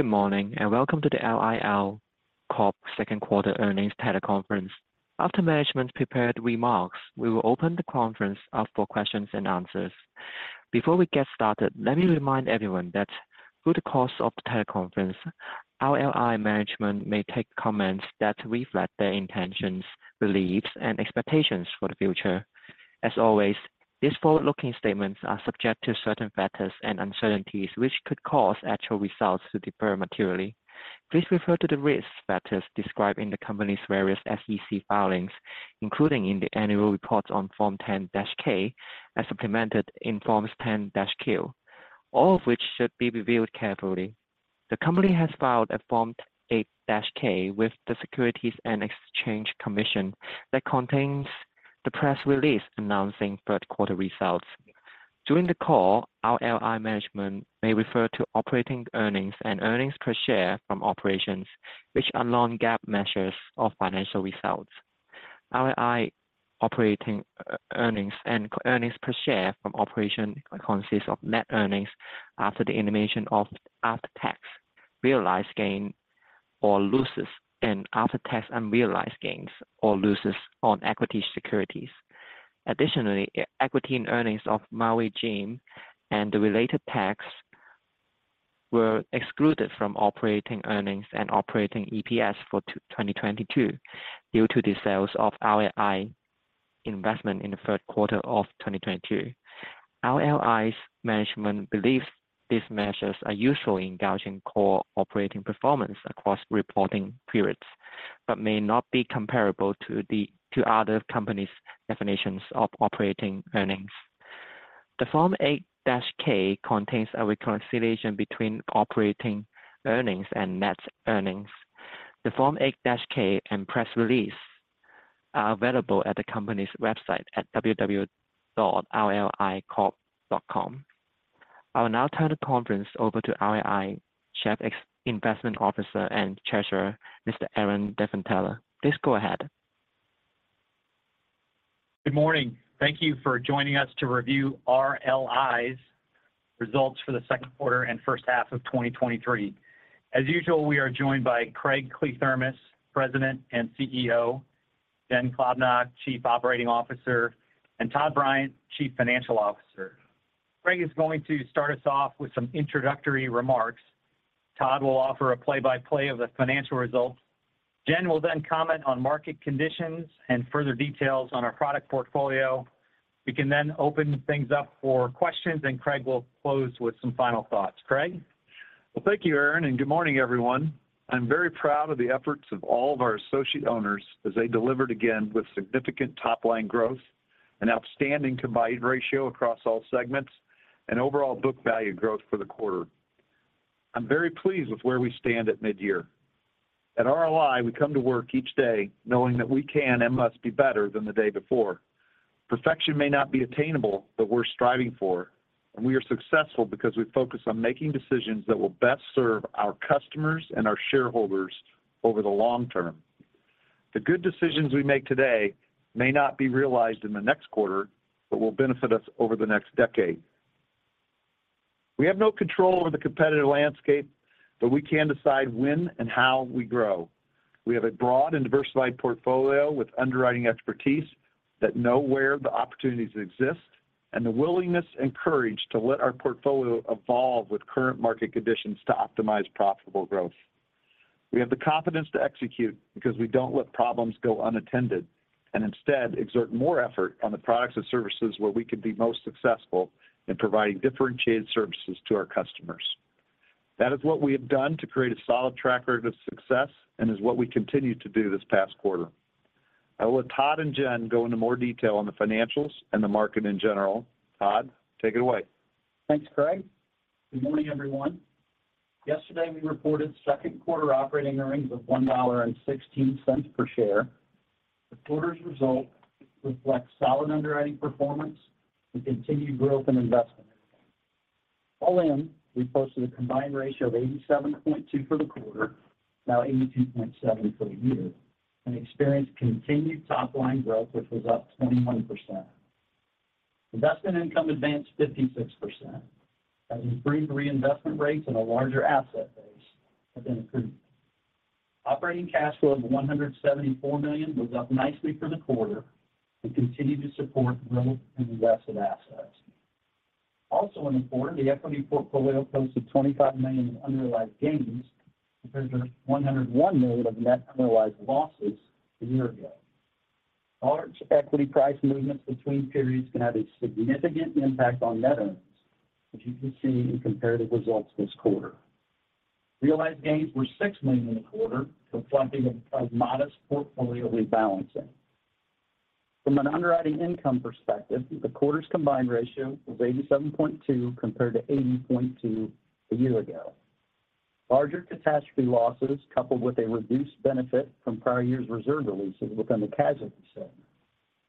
Good morning, and welcome to the RLI Corp second quarter earnings teleconference. After management prepared remarks, we will open the conference up for questions and answers. Before we get started, let me remind everyone that through the course of the teleconference, RLI management may take comments that reflect their intentions, beliefs, and expectations for the future. As always, these forward-looking statements are subject to certain factors and uncertainties, which could cause actual results to differ materially. Please refer to the risk factors described in the company's various SEC filings, including in the annual report on Form 10-K and supplemented in Forms 10-Q, all of which should be reviewed carefully. The company has filed a Form 8-K with the Securities and Exchange Commission that contains the press release announcing third quarter results. During the call, RLI management may refer to operating earnings and earnings per share from operations which are non-GAAP measures of financial results. RLI operating earnings and earnings per share from operations consists of net earnings after the elimination of after-tax realized gains or losses and after-tax unrealized gains or losses on equity securities. Additionally, equity and earnings of Maui Jim and the related tax were excluded from operating earnings and operating EPS for 2022 due to the sales of RLI investment in the third quarter of 2022. RLI's management believes these measures are useful in gauging core operating performance across reporting periods, but may not be comparable to other companies' definitions of operating earnings. The Form 8-K contains a reconciliation between operating earnings and net earnings. The Form 8-K and press release are available at the company's website at www.rlicorp.com. I will now turn the conference over to RLI, Chief Investment Officer and Treasurer, Mr. Aaron Diefenthaler. Please go ahead. Good morning. Thank you for joining us to review RLI's results for the second quarter and first half of 2023. As usual, we are joined by Craig Kliethermes, President and CEO, Jen Klobnak, Chief Operating Officer, and Todd Bryant, Chief Financial Officer. Craig is going to start us off with some introductory remarks. Todd will offer a play-by-play of the financial results. Jen will then comment on market conditions and further details on our product portfolio. We can then open things up for questions, and Craig will close with some final thoughts. Craig? Well, thank you, Aaron, and good morning, everyone. I'm very proud of the efforts of all of our associate owners as they delivered again with significant top-line growth and outstanding combined ratio across all segments and overall book value growth for the quarter. I'm very pleased with where we stand at midyear. At RLI, we come to work each day knowing that we can and must be better than the day before. Perfection may not be attainable, but we're striving for, and we are successful because we focus on making decisions that will best serve our customers and our shareholders over the long term. The good decisions we make today may not be realized in the next quarter, but will benefit us over the next decade. We have no control over the competitive landscape, but we can decide when and how we grow. We have a broad and diversified portfolio with underwriting expertise that know where the opportunities exist, and the willingness and courage to let our portfolio evolve with current market conditions to optimize profitable growth. We have the confidence to execute because we don't let problems go unattended, and instead exert more effort on the products and services where we can be most successful in providing differentiated services to our customers. That is what we have done to create a solid track record of success and is what we continued to do this past quarter. I will let Todd and Jen go into more detail on the financials and the market in general. Todd, take it away. Thanks, Craig. Good morning, everyone. Yesterday, we reported second quarter operating earnings of $1.16 per share. The quarter's result reflects solid underwriting performance and continued growth in investment. All in, we posted a combined ratio of 87.2% for the quarter, now 82.7% for the year, and experienced continued top-line growth, which was up 21%. Investment income advanced 56% as increased reinvestment rates and a larger asset base have been improved. Operating cash flow of $174 million was up nicely for the quarter and continued to support growth in invested assets. Also in the quarter, the equity portfolio posted $25 million in unrealized gains, compared to $101 million of net unrealized losses a year ago. Large equity price movements between periods can have a significant impact on net earnings, as you can see in comparative results this quarter. Realized gains were $6 million in the quarter, reflecting a modest portfolio rebalancing. From an underwriting income perspective, the quarter's combined ratio was 87.2%, compared to 80.2% a year ago. Larger catastrophe losses, coupled with a reduced benefit from prior years' reserve releases within the casualty segment,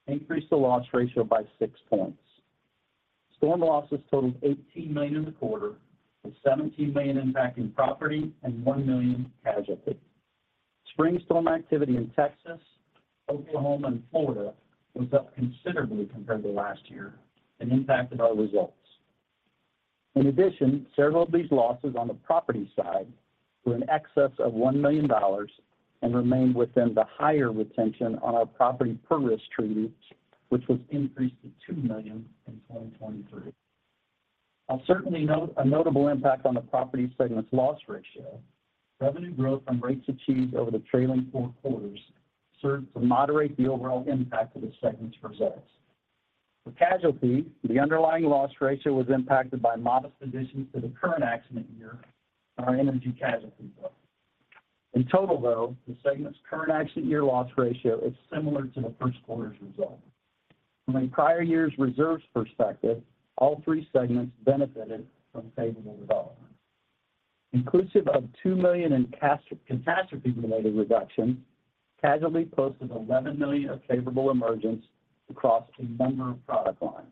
increased the loss ratio by 6%. Storm losses totaled $18 million in the quarter, with $17 million impacting property and $1 million casualty. Spring storm activity in Texas, Oklahoma, and Florida was up considerably compared to last year and impacted our results. Several of these losses on the property side were in excess of $1 million and remained within the higher retention on our property per risk treaty, which was increased to $2 million in 2023. While certainly a notable impact on the property segment's loss ratio, revenue growth from rates achieved over the trailing four quarters served to moderate the overall impact of the segment's results. The underlying loss ratio was impacted by modest additions to the current accident year on our energy casualty book. The segment's current accident year loss ratio is similar to the first quarter's result. All three segments benefited from favorable developments. Inclusive of $2 million in catastrophe-related reductions, casualty posted $11 million of favorable emergence across a number of product lines.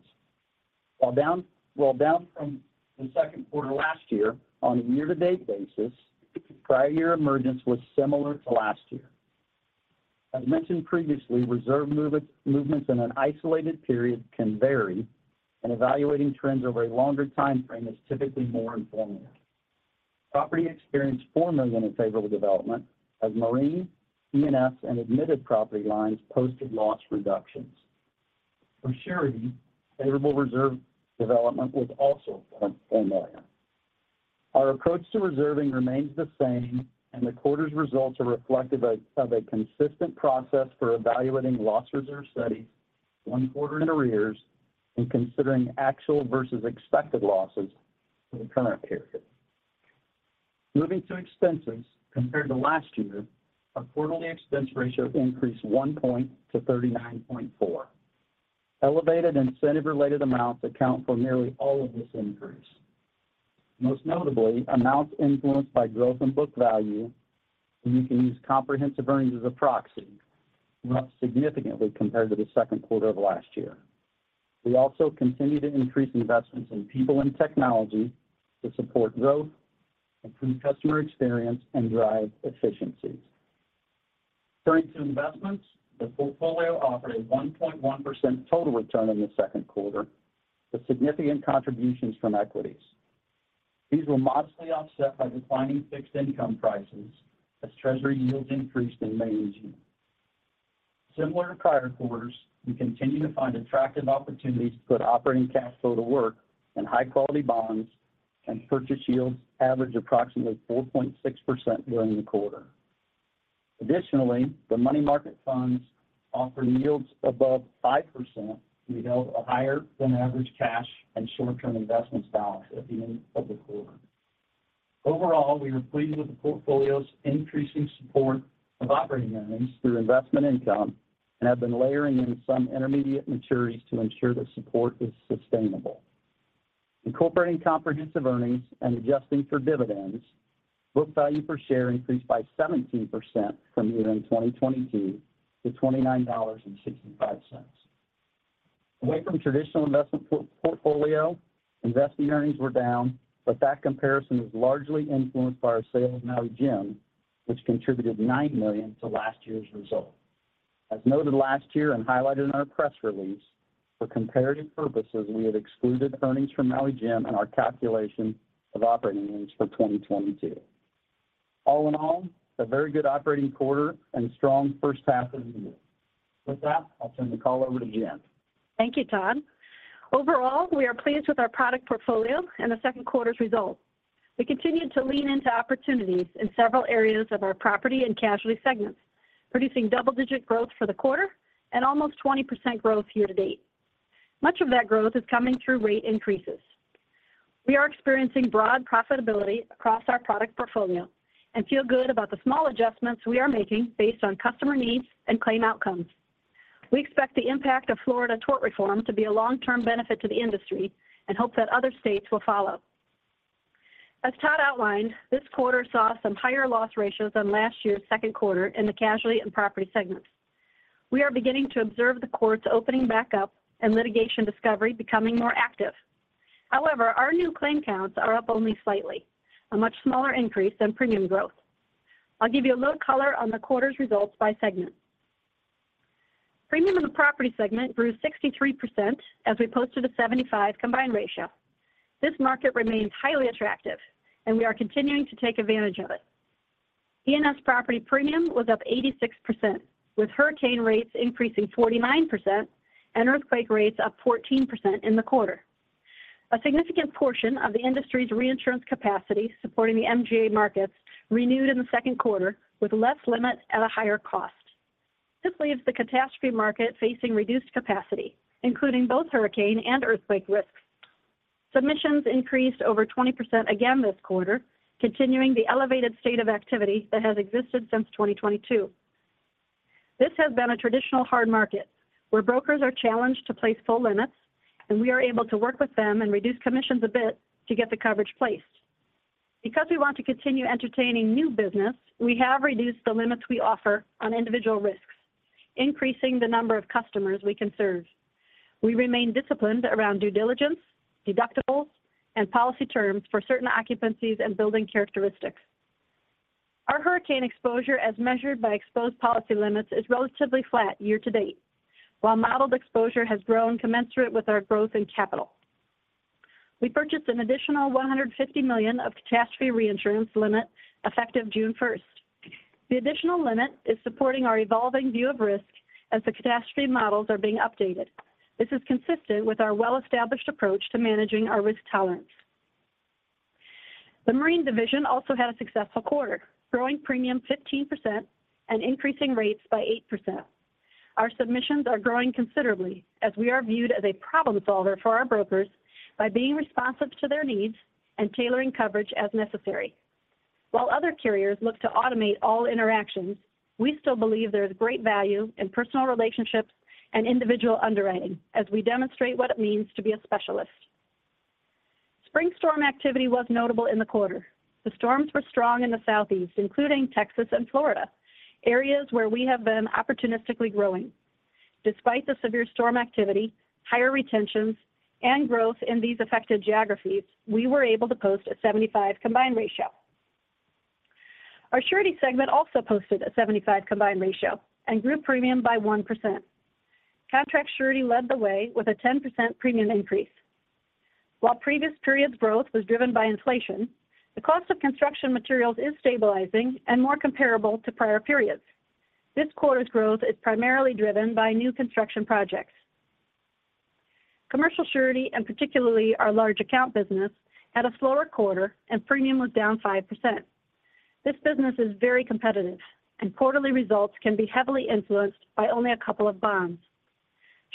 While down from the second quarter last year, on a year-to-date basis, prior year emergence was similar to last year. As mentioned previously, reserve movements in an isolated period can vary, and evaluating trends over a longer timeframe is typically more informative. Property experienced $4 million in favorable development as marine, E&S, and admitted property lines posted loss reductions. For surety, favorable reserve development was also $4 million. Our approach to reserving remains the same, the quarter's results are reflective of a consistent process for evaluating loss reserve studies one quarter in arrears and considering actual versus expected losses for the current period. Moving to expenses, compared to last year, our quarterly expense ratio increased 1 %-39.4%. Elevated incentive-related amounts account for nearly all of this increase. Most notably, amounts influenced by growth in book value, and you can use comprehensive earnings as a proxy, went up significantly compared to the second quarter of last year. We also continue to increase investments in people and technology to support growth, improve customer experience, and drive efficiencies. Turning to investments, the portfolio offered a 1.1% total return in the second quarter, with significant contributions from equities. These were modestly offset by declining fixed income prices as Treasury yields increased in May and June. Similar to prior quarters, we continue to find attractive opportunities to put operating cash flow to work in high-quality bonds, and purchase yields averaged approximately 4.6% during the quarter. Additionally, the money market funds offered yields above 5% and we held a higher than average cash and short-term investments balance at the end of the quarter. Overall, we were pleased with the portfolio's increasing support of operating earnings through investment income and have been layering in some intermediate maturities to ensure the support is sustainable. Incorporating comprehensive earnings and adjusting for dividends, book value per share increased by 17% from year-end 2022 to $29.65. Away from traditional investment portfolio, investing earnings were down. That comparison was largely influenced by our sale of Maui Jim, which contributed $9 million to last year's result. As noted last year and highlighted in our press release, for comparative purposes, we have excluded earnings from Maui Jim in our calculation of operating earnings for 2022. All in all, a very good operating quarter and a strong first half of the year. With that, I'll turn the call over to Jen. Thank you, Todd. Overall, we are pleased with our product portfolio and the second quarter's results. We continued to lean into opportunities in several areas of our property and casualty segments, producing double-digit growth for the quarter and almost 20% growth year-to-date. Much of that growth is coming through rate increases. We are experiencing broad profitability across our product portfolio and feel good about the small adjustments we are making based on customer needs and claim outcomes. We expect the impact of Florida tort reform to be a long-term benefit to the industry and hope that other states will follow. As Todd outlined, this quarter saw some higher loss ratios than last year's second quarter in the casualty and property segments. We are beginning to observe the courts opening back up and litigation discovery becoming more active. Our new claim counts are up only slightly, a much smaller increase than premium growth. I'll give you a little color on the quarter's results by segment. Premium in the property segment grew 63% as we posted a 75 combined ratio. This market remains highly attractive, and we are continuing to take advantage of it. E&S property premium was up 86%, with hurricane rates increasing 49% and earthquake rates up 14% in the quarter. A significant portion of the industry's reinsurance capacity supporting the MGA markets renewed in the second quarter with less limit at a higher cost. This leaves the catastrophe market facing reduced capacity, including both hurricane and earthquake risks. Submissions increased over 20% again this quarter, continuing the elevated state of activity that has existed since 2022. This has been a traditional hard market, where brokers are challenged to place full limits, and we are able to work with them and reduce commissions a bit to get the coverage placed. Because we want to continue entertaining new business, we have reduced the limits we offer on individual risks, increasing the number of customers we can serve. We remain disciplined around due diligence, deductibles, and policy terms for certain occupancies and building characteristics. Our hurricane exposure, as measured by exposed policy limits, is relatively flat year-to-date, while modeled exposure has grown commensurate with our growth in capital. We purchased an additional $150 million of catastrophe reinsurance limit effective June 1st. The additional limit is supporting our evolving view of risk as the catastrophe models are being updated. This is consistent with our well-established approach to managing our risk tolerance. The marine division also had a successful quarter, growing premium 15% and increasing rates by 8%. Our submissions are growing considerably as we are viewed as a problem solver for our brokers by being responsive to their needs and tailoring coverage as necessary. While other carriers look to automate all interactions, we still believe there is great value in personal relationships and individual underwriting as we demonstrate what it means to be a specialist. Spring storm activity was notable in the quarter. The storms were strong in the Southeast, including Texas and Florida, areas where we have been opportunistically growing. Despite the severe storm activity, higher retentions, and growth in these affected geographies, we were able to post a 75% combined ratio. Our surety segment also posted a 75% combined ratio and grew premium by 1%. Contract surety led the way with a 10% premium increase. While previous periods growth was driven by inflation, the cost of construction materials is stabilizing and more comparable to prior periods. This quarter's growth is primarily driven by new construction projects. Commercial surety, and particularly our large account business, had a slower quarter and premium was down 5%. This business is very competitive, and quarterly results can be heavily influenced by only a couple of bonds.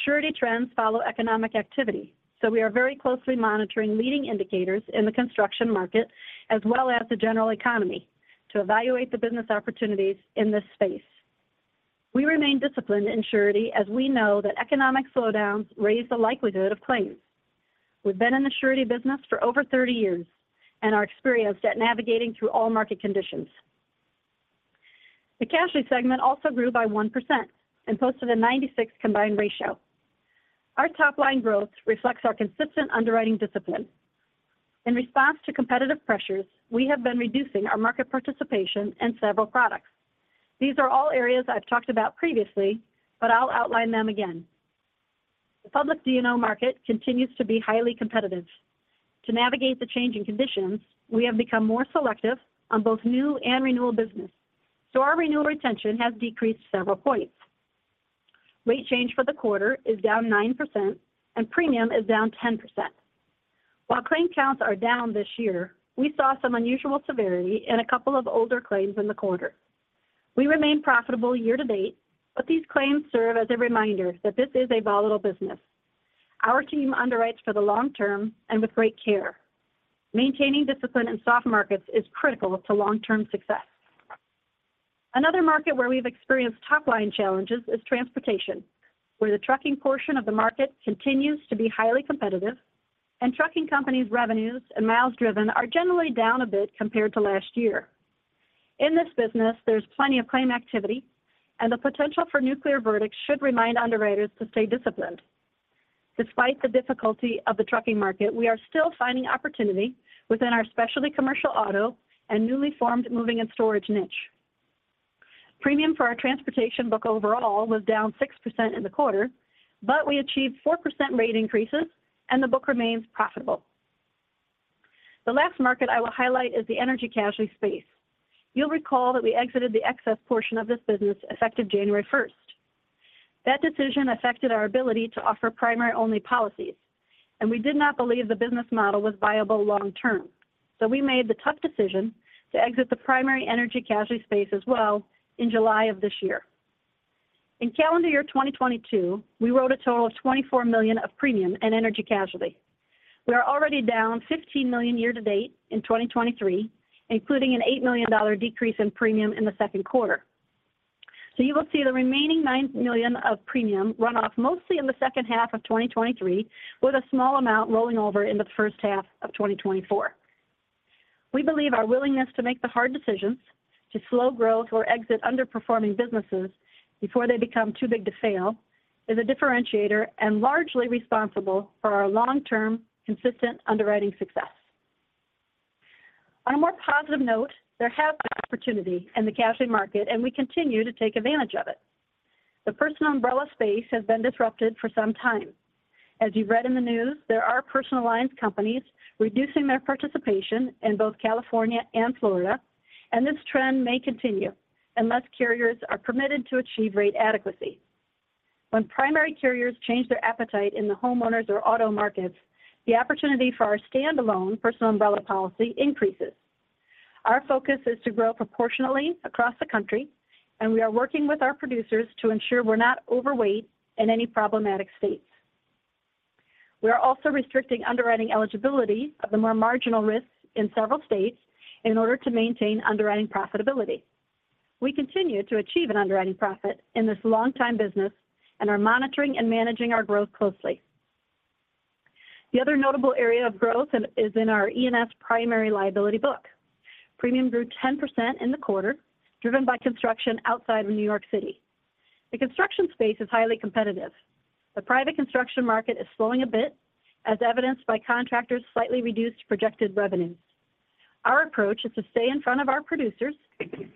Surety trends follow economic activity, so we are very closely monitoring leading indicators in the construction market as well as the general economy to evaluate the business opportunities in this space. We remain disciplined in surety as we know that economic slowdowns raise the likelihood of claims. We've been in the surety business for over 30 years and are experienced at navigating through all market conditions. The casualty segment also grew by 1% and posted a 96% combined ratio. Our top-line growth reflects our consistent underwriting discipline. In response to competitive pressures, we have been reducing our market participation in several products. These are all areas I've talked about previously. I'll outline them again. The public D&O market continues to be highly competitive. To navigate the changing conditions, we have become more selective on both new and renewal business, so our renewal retention has decreased several points. Rate change for the quarter is down 9% and premium is down 10%. While claim counts are down this year, we saw some unusual severity in a couple of older claims in the quarter. We remain profitable year-to-date. These claims serve as a reminder that this is a volatile business. Our team underwrites for the long term and with great care. Maintaining discipline in soft markets is critical to long-term success. Another market where we've experienced top-line challenges is transportation, where the trucking portion of the market continues to be highly competitive and trucking companies' revenues and miles driven are generally down a bit compared to last year. In this business, there's plenty of claim activity, and the potential for nuclear verdicts should remind underwriters to stay disciplined. Despite the difficulty of the trucking market, we are still finding opportunity within our specialty commercial auto and newly formed moving and storage niche. Premium for our transportation book overall was down 6% in the quarter, but we achieved 4% rate increases and the book remains profitable. The last market I will highlight is the energy casualty space. You'll recall that we exited the excess portion of this business effective January 1st. That decision affected our ability to offer primary-only policies, and we did not believe the business model was viable long term. We made the tough decision to exit the primary energy casualty space as well in July of this year. In calendar year 2022, we wrote a total of $24 million of premium in energy casualty. We are already down $15 million year-to-date in 2023, including an $8 million decrease in premium in the second quarter. You will see the remaining $9 million of premium run off mostly in the second half of 2023, with a small amount rolling over into the first half of 2024. We believe our willingness to make the hard decisions, to slow growth or exit underperforming businesses before they become too big to fail, is a differentiator and largely responsible for our long-term, consistent underwriting success. On a more positive note, there has been opportunity in the casualty market, and we continue to take advantage of it. The personal umbrella space has been disrupted for some time. As you've read in the news, there are personal alliance companies reducing their participation in both California and Florida, and this trend may continue unless carriers are permitted to achieve rate adequacy. When primary carriers change their appetite in the homeowners or auto markets, the opportunity for our stand-alone personal umbrella policy increases. Our focus is to grow proportionally across the country, and we are working with our producers to ensure we're not overweight in any problematic states. We are also restricting underwriting eligibility of the more marginal risks in several states in order to maintain underwriting profitability. We continue to achieve an underwriting profit in this long-time business and are monitoring and managing our growth closely. The other notable area of growth and is in our E&S primary liability book. Premium grew 10% in the quarter, driven by construction outside of New York City. The construction space is highly competitive. The private construction market is slowing a bit as evidenced by contractors' slightly reduced projected revenues. Our approach is to stay in front of our producers,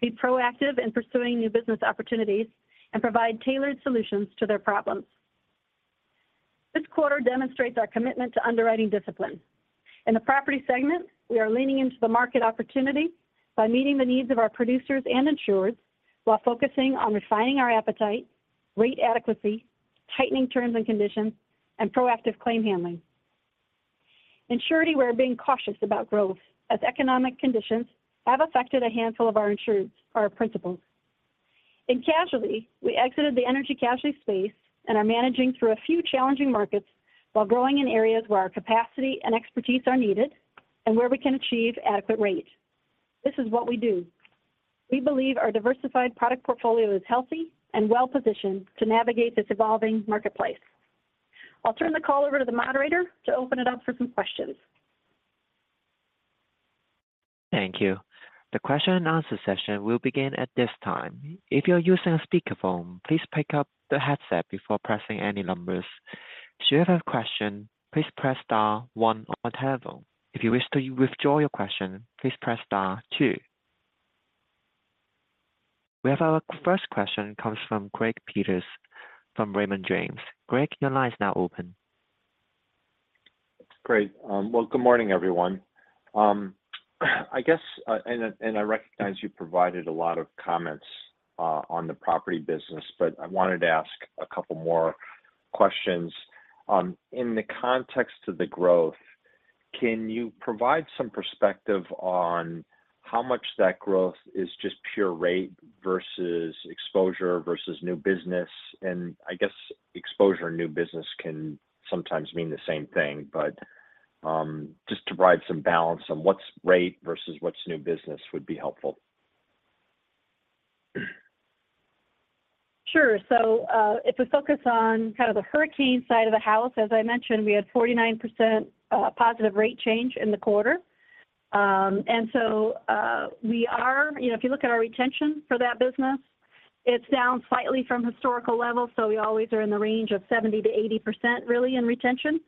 be proactive in pursuing new business opportunities, and provide tailored solutions to their problems. This quarter demonstrates our commitment to underwriting discipline. In the property segment, we are leaning into the market opportunity by meeting the needs of our producers and insurers while focusing on refining our appetite, rate adequacy, tightening terms and conditions, and proactive claim handling. In surety, we're being cautious about growth as economic conditions have affected a handful of our insureds, our principals. In casualty, we exited the energy casualty space and are managing through a few challenging markets while growing in areas where our capacity and expertise are needed and where we can achieve adequate rate. This is what we do. We believe our diversified product portfolio is healthy and well-positioned to navigate this evolving marketplace. I'll turn the call over to the moderator to open it up for some questions. Thank you. The question and answer session will begin at this time. If you're using a speakerphone, please pick up the headset before pressing any numbers. Should you have a question, please press star one on the telephone. If you wish to withdraw your question, please press star two. We have our first question comes from Greg Peters from Raymond James. Greg, your line is now open. Great. Well, good morning, everyone. I guess, and I, and I recognize you provided a lot of comments, on the property business, but I wanted to ask a couple more questions. In the context of the growth, can you provide some perspective on how much that growth is just pure rate versus exposure versus new business? I guess exposure and new business can sometimes mean the same thing, but, just to provide some balance on what's rate versus what's new business would be helpful. Sure. If we focus on kind of the hurricane side of the house, as I mentioned, we had 49% positive rate change in the quarter. You know, if you look at our retention for that business, it's down slightly from historical levels, so we always are in the range of 70%-80%, really, in retention.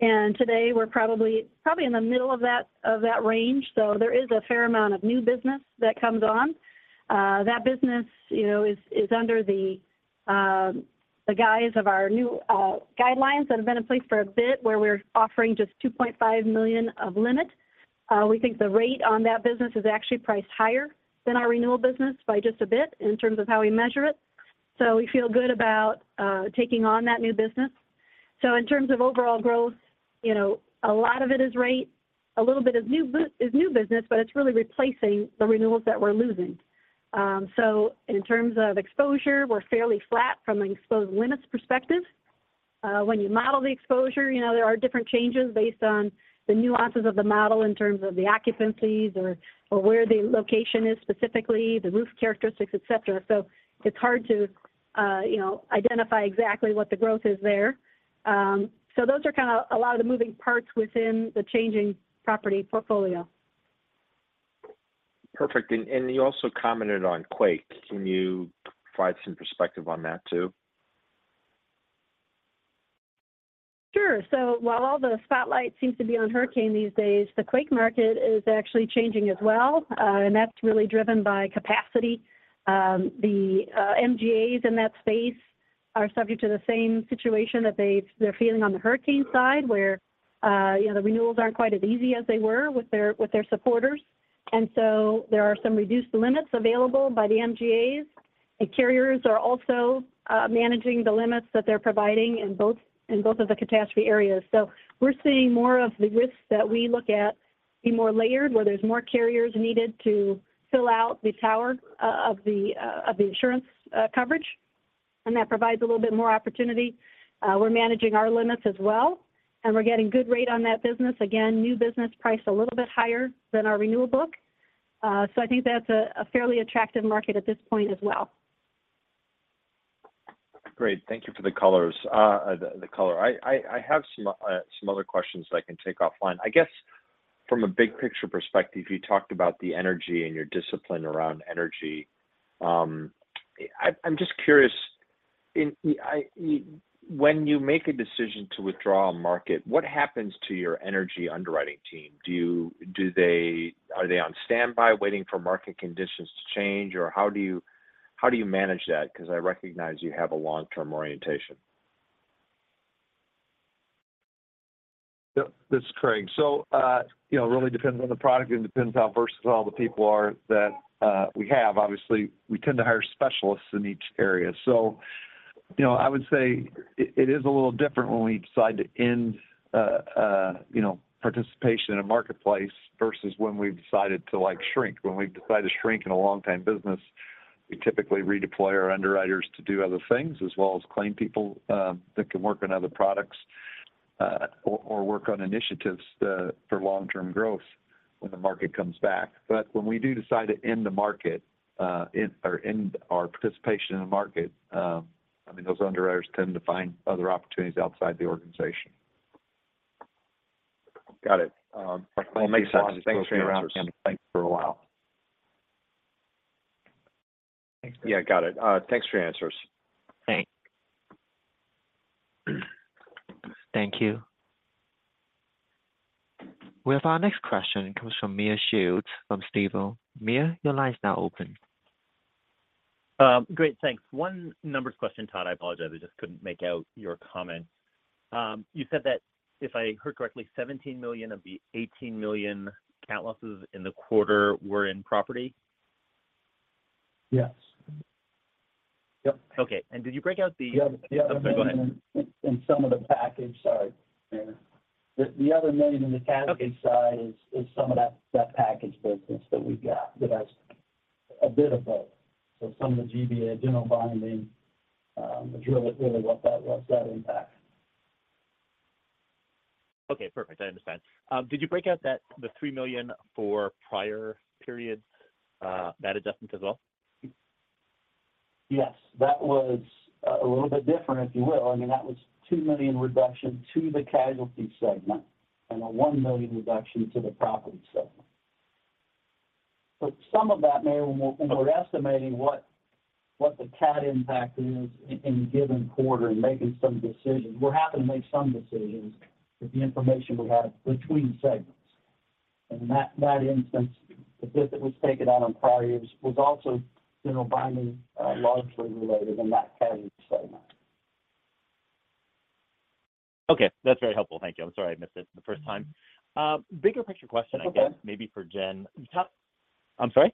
Today we're probably in the middle of that, of that range. There is a fair amount of new business that comes on. That business, you know, is under the guise of our new guidelines that have been in place for a bit, where we're offering just $2.5 million of limits. We think the rate on that business is actually priced higher than our renewal business by just a bit in terms of how we measure it. We feel good about taking on that new business. In terms of overall growth, you know, a lot of it is rate, a little bit of new business, but it's really replacing the renewals that we're losing. In terms of exposure, we're fairly flat from an exposed limits perspective. When you model the exposure, you know, there are different changes based on the nuances of the model in terms of the occupancies or where the location is, specifically, the roof characteristics, et cetera. It's hard to, you know, identify exactly what the growth is there. Those are kind of a lot of the moving parts within the changing property portfolio. Perfect. You also commented on quake. Can you provide some perspective on that too? Sure. While all the spotlight seems to be on hurricane these days, the quake market is actually changing as well. That's really driven by capacity. The MGAs in that space are subject to the same situation that they're feeling on the hurricane side, where, you know, the renewals aren't quite as easy as they were with their supporters. There are some reduced limits available by the MGAs. The carriers are also managing the limits that they're providing in both of the catastrophe areas. We're seeing more of the risks that we look at be more layered, where there's more carriers needed to fill out the tower, of the insurance coverage, and that provides a little bit more opportunity. We're managing our limits as well, and we're getting good rate on that business. Again, new business priced a little bit higher than our renewal book. I think that's a fairly attractive market at this point as well. Great. Thank you for the color. I have some other questions I can take offline. I guess from a big picture perspective, you talked about the energy and your discipline around energy. I'm just curious, when you make a decision to withdraw a market, what happens to your energy underwriting team? Are they on standby waiting for market conditions to change, or how do you, how do you manage that? Because I recognize you have a long-term orientation. Yep, this is Craig. You know, it really depends on the product. It depends how versatile the people are that we have. Obviously, we tend to hire specialists in each area. You know, I would say it is a little different when we decide to end, you know, participation in a marketplace versus when we've decided to, like, shrink. When we decide to shrink in a long-time business, we typically redeploy our underwriters to do other things, as well as claim people, that can work on other products, or work on initiatives, for long-term growth, when the market comes back. When we do decide to end the market, end our participation in the market, I mean, those underwriters tend to find other opportunities outside the organization. Got it. That makes sense. Thanks for your answers. Thanks for a while. Yeah, got it. Thanks for your answers. Thanks. Thank you. We have our next question comes from Meyer Shields from Stifel. Meyer, your line is now open. Great, thanks. One numbers question, Todd, I apologize, I just couldn't make out your comment. You said that if I heard correctly, $17 million of the $18 million CAT losses in the quarter were in property? Yes. Yep. Okay. Did you break out? Yeah, yeah. Go ahead. In some of the package, sorry. Yeah. The other $1 million in the package side. Okay Is some of that package business that we've got, that has a bit of both. Some of the GBA, general binding, is really what that impacts. Okay, perfect. I understand. Did you break out that the $3 million for prior periods, that adjustment as well? Yes. That was, a little bit different, if you will. I mean, that was $2 million reduction to the casualty segment and a $1 million reduction to the property segment. Some of that when we're estimating what the CAT impact is in a given quarter and making some decisions, we're having to make some decisions with the information we have between segments. In that instance, the bit that was taken out on prior years was also general binding, largely related in that segment. Okay, that's very helpful. Thank you. I'm sorry, I missed it the first time. Bigger picture question, I guess. It's okay. Maybe for Jen. Todd, I'm sorry?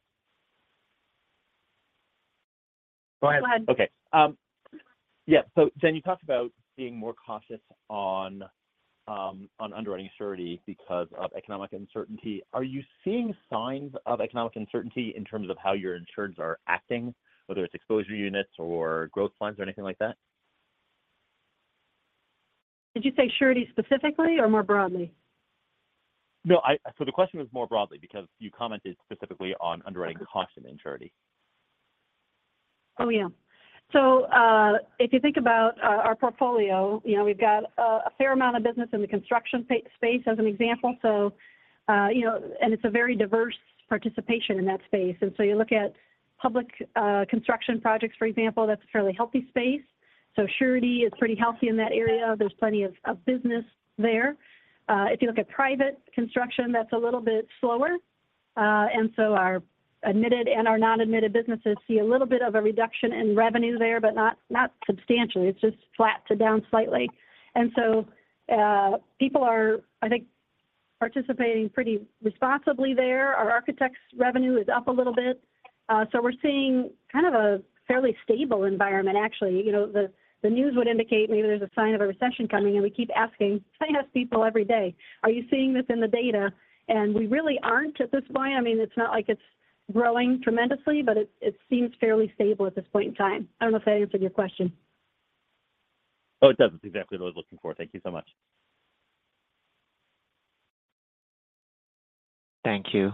Go ahead. Go ahead. Okay. Jen, you talked about being more cautious on underwriting surety because of economic uncertainty. Are you seeing signs of economic uncertainty in terms of how your insureds are acting, whether it's exposure units or growth plans or anything like that? Did you say surety specifically or more broadly? No, the question was more broadly, because you commented specifically on underwriting caution in surety. Yeah. If you think about our portfolio, you know, we've got a fair amount of business in the construction space as an example. You know, it's a very diverse participation in that space. You look at public construction projects, for example, that's a fairly healthy space. Surety is pretty healthy in that area. There's plenty of business there. If you look at private construction, that's a little bit slower. Our admitted and our non-admitted businesses see a little bit of a reduction in revenue there, but not substantially. It's just flat to down slightly. People are, I think, participating pretty responsibly there. Our architects' revenue is up a little bit, so we're seeing kind of a fairly stable environment, actually. You know, the news would indicate maybe there's a sign of a recession coming, and we keep asking, I ask people every day, "Are you seeing this in the data?" We really aren't at this point. I mean, it's not like it's growing tremendously, but it seems fairly stable at this point in time. I don't know if I answered your question. Oh, it does. It's exactly what I was looking for. Thank you so much. Thank you.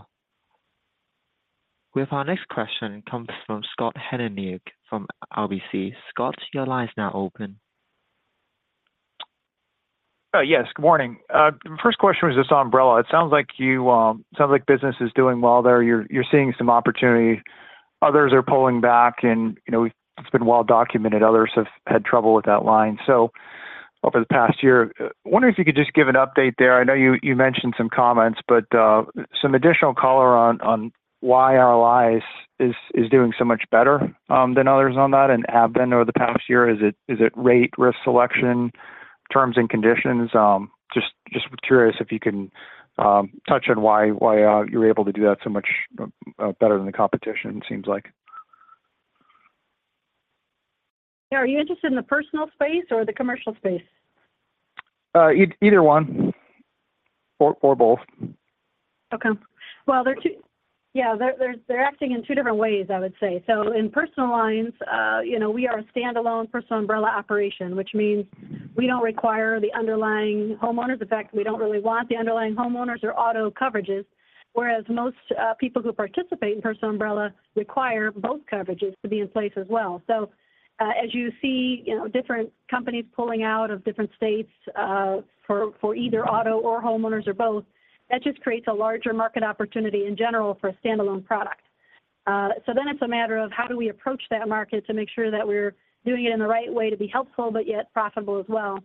We have our next question comes from Scott Heleniak from RBC. Scott, your line is now open. Yes, good morning. The first question was just umbrella. It sounds like you, sounds like business is doing well there. You're seeing some opportunity. Others are pulling back and, you know, it's been well documented, others have had trouble with that line. Over the past year, wondering if you could just give an update there. I know you mentioned some comments, but, some additional color on why RLI is doing so much better than others on that and have been over the past year. Is it rate, risk selection, terms and conditions? Just curious if you can touch on why you're able to do that so much better than the competition, it seems like? Are you interested in the personal space or the commercial space? Either one or both. Okay. Well, they're acting in two different ways, I would say. In personal lines, you know, we are a stand-alone personal umbrella operation, which means we don't require the underlying homeowners. In fact, we don't really want the underlying homeowners or auto coverages, whereas most people who participate in personal umbrella require both coverages to be in place as well. As you see, you know, different companies pulling out of different states for either auto or homeowners or both, that just creates a larger market opportunity in general for a stand-alone product. It's a matter of how do we approach that market to make sure that we're doing it in the right way to be helpful but yet profitable as well.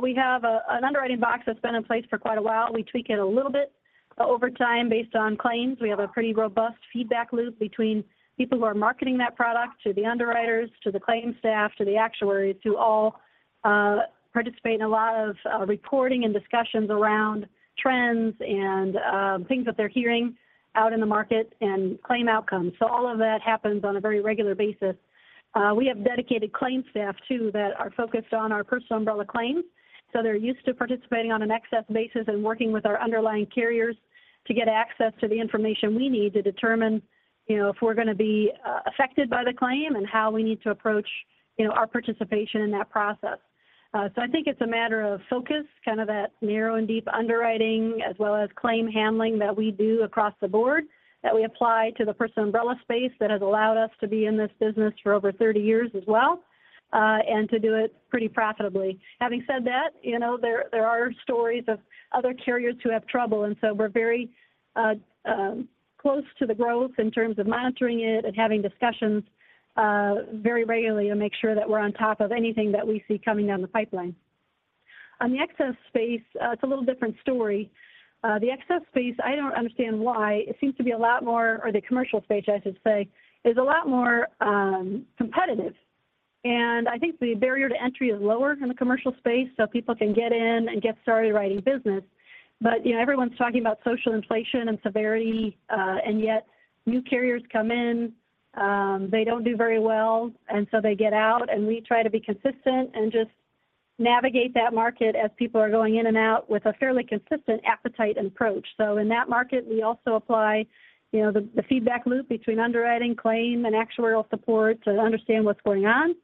We have an underwriting box that's been in place for quite a while. We tweak it a little bit over time based on claims. We have a pretty robust feedback loop between people who are marketing that product, to the underwriters, to the claim staff, to the actuaries, who all participate in a lot of reporting and discussions around trends and things that they're hearing out in the market and claim outcomes. All of that happens on a very regular basis. We have dedicated claim staff, too, that are focused on our personal umbrella claims, so they're used to participating on an excess basis and working with our underlying carriers. To get access to the information we need to determine, you know, if we're going to be affected by the claim and how we need to approach, you know, our participation in that process. I think it's a matter of focus, kind of that narrow and deep underwriting, as well as claim handling that we do across the board, that we apply to the personal umbrella space that has allowed us to be in this business for over 30 years as well, and to do it pretty profitably. Having said that, you know, there are stories of other carriers who have trouble. We're very close to the growth in terms of monitoring it and having discussions very regularly to make sure that we're on top of anything that we see coming down the pipeline. On the excess space, it's a little different story. The excess space, I don't understand why it seems to be a lot more, or the commercial space, I should say, is a lot more, competitive. I think the barrier to entry is lower in the commercial space, so people can get in and get started writing business. You know, everyone's talking about social inflation and severity, yet new carriers come in, they don't do very well, and so they get out, and we try to be consistent and just navigate that market as people are going in and out with a fairly consistent appetite and approach. In that market, we also apply, you know, the feedback loop between underwriting, claim, and actuarial support to understand what's going on,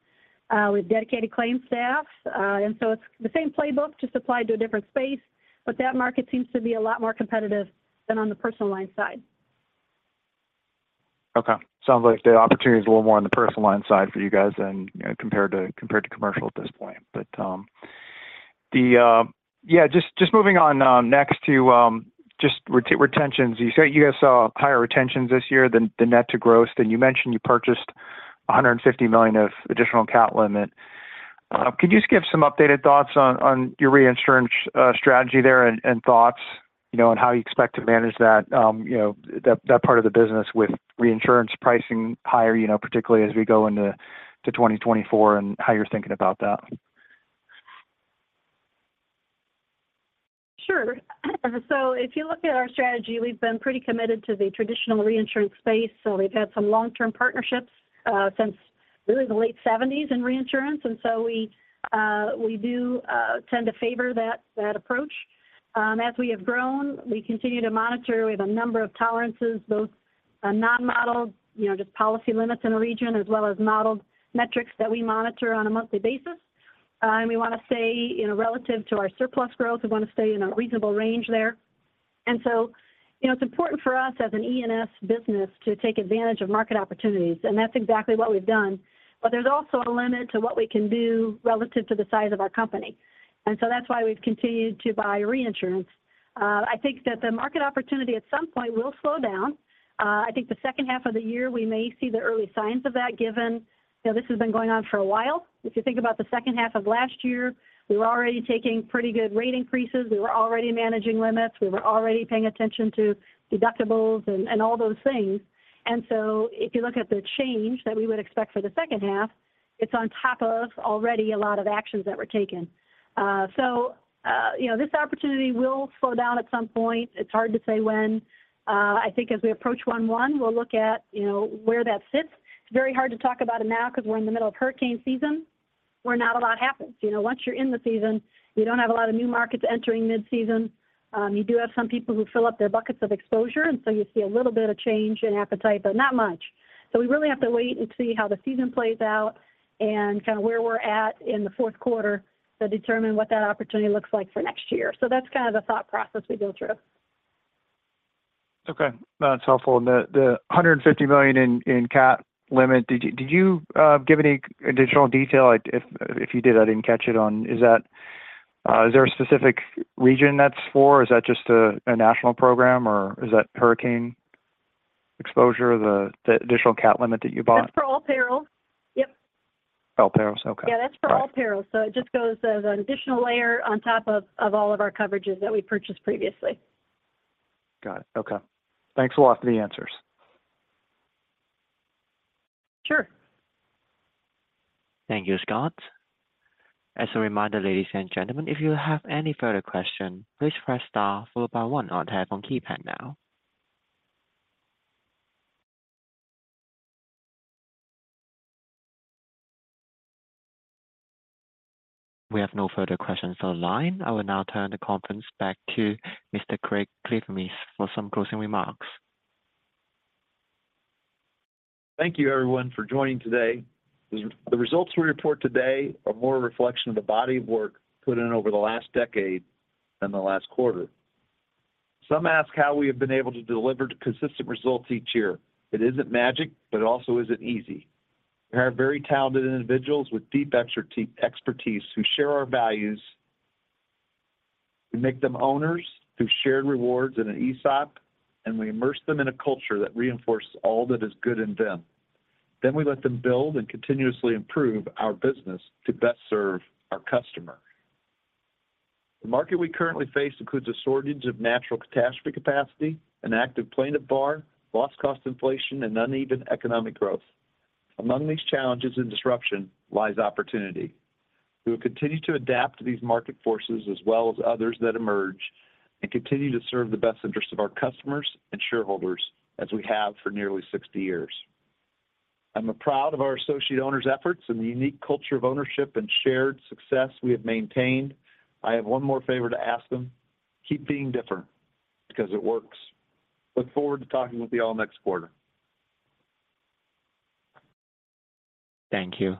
with dedicated claim staff. It's the same playbook, just applied to a different space, but that market seems to be a lot more competitive than on the personal line side. Okay. Sounds like the opportunity is a little more on the personal line side for you guys than, you know, compared to, compared to commercial at this point. Moving on, next to just retentions. You said you guys saw higher retentions this year than the net to gross. You mentioned you purchased $150 million of additional CAT limit. Could you just give some updated thoughts on your reinsurance strategy there and thoughts, you know, on how you expect to manage that, you know, that part of the business with reinsurance pricing higher, you know, particularly as we go into 2024 and how you're thinking about that? Sure. If you look at our strategy, we've been pretty committed to the traditional reinsurance space. We've had some long-term partnerships since really the late 70s in reinsurance. We do tend to favor that approach. As we have grown, we continue to monitor. We have a number of tolerances, both non-modeled, you know, just policy limits in the region, as well as modeled metrics that we monitor on a monthly basis. We want to stay, you know, relative to our surplus growth, we want to stay in a reasonable range there. You know, it's important for us as an E&S business to take advantage of market opportunities, and that's exactly what we've done. There's also a limit to what we can do relative to the size of our company. That's why we've continued to buy reinsurance. I think that the market opportunity at some point will slow down. I think the second half of the year, we may see the early signs of that, given, you know, this has been going on for a while. If you think about the second half of last year, we were already taking pretty good rate increases. We were already managing limits. We were already paying attention to deductibles and all those things. If you look at the change that we would expect for the second half, it's on top of already a lot of actions that were taken. So, you know, this opportunity will slow down at some point. It's hard to say when. I think as we approach one one, we'll look at, you know, where that sits. It's very hard to talk about it now because we're in the middle of hurricane season, where not a lot happens. You know, once you're in the season, you don't have a lot of new markets entering mid-season. You do have some people who fill up their buckets of exposure, and so you see a little bit of change in appetite, but not much. We really have to wait and see how the season plays out and kind of where we're at in the fourth quarter to determine what that opportunity looks like for next year. That's kind of the thought process we go through. Okay. That's helpful. The $150 million in CAT limit, did you give any additional detail? If you did, I didn't catch it on. Is that, is there a specific region that's for, or is that just a national program, or is that hurricane exposure, the additional CAT limit that you bought? That's for all perils. Yep. All perils. Okay. Yeah, that's for all perils. Got it. It just goes as an additional layer on top of all of our coverages that we purchased previously. Got it. Okay. Thanks a lot for the answers. Sure. Thank you, Scott. As a reminder, ladies and gentlemen, if you have any further question, please press star followed by one on your phone keypad now. We have no further questions on the line. I will now turn the conference back to Mr. Craig Kliethermes for some closing remarks. Thank you, everyone, for joining today. The results we report today are more a reflection of the body of work put in over the last decade than the last quarter. Some ask how we have been able to deliver consistent results each year. It isn't magic, but it also isn't easy. We have very talented individuals with deep expertise who share our values. We make them owners through shared rewards in an ESOP, and we immerse them in a culture that reinforces all that is good in them. We let them build and continuously improve our business to best serve our customer. The market we currently face includes a shortage of natural catastrophe capacity, an active plaintiff bar, loss cost inflation, and uneven economic growth. Among these challenges and disruption lies opportunity. We will continue to adapt to these market forces as well as others that emerge, continue to serve the best interest of our customers and shareholders as we have for nearly 60 years. I'm proud of our associate owners' efforts and the unique culture of ownership and shared success we have maintained. I have one more favor to ask them: Keep being different, because it works. Look forward to talking with you all next quarter. Thank you.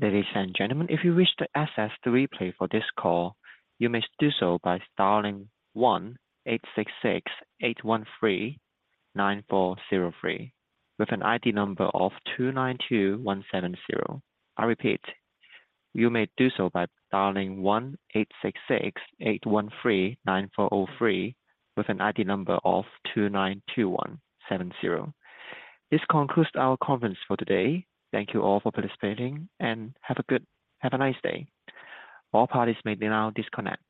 Ladies and gentlemen, if you wish to access the replay for this call, you may do so by dialing 1-866-813-9403, with an ID number of 292170. I repeat, you may do so by dialing 1-866-813-9403 with an ID number of 292170. This concludes our conference for today. Thank you all for participating, and have a nice day. All parties may now disconnect.